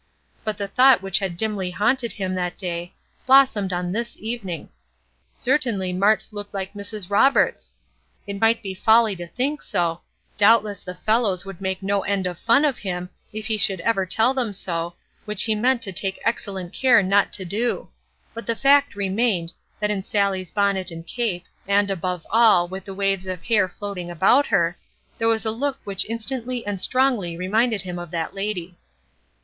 But the thought which had dimly haunted him that day blossomed on this evening. Certainly Mart looked like Mrs. Roberts! It might be folly to think so; doubtless the fellows would make no end of fun of him if he should ever tell them so, which he meant to take excellent care not to do; but the fact remained, that in Sallie's bonnet and cape, and, above all, with the waves of hair floating about her, there was a look which instantly and strongly reminded him of that lady.